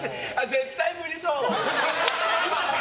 絶対無理そう！